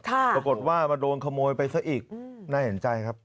ปรากฏว่ามาโดนขโมยไปซะอีกน่าเห็นใจครับ